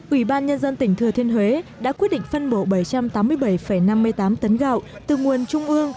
ủy ban nhân dân tỉnh thừa thiên huế đã quyết định phân bổ bảy trăm tám mươi bảy năm mươi tám tấn gạo từ nguồn trung ương